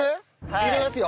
入れますよ。